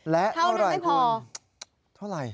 และเท่านั้นไม่พอเท่าไหร่ควรเท่าไหร่